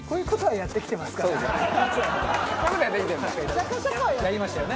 やりましたよね。